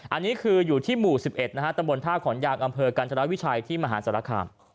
อันนี้คืออยู่ที่หมู่๑๑นะฮะตำบลท่าขอนยางอำเภอกันธรวิชัยที่มหาศาลคาม